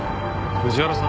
藤原さん！